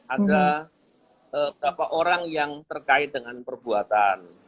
ada beberapa orang yang terkait dengan perbuatan